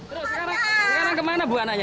sekarang kemana bu anaknya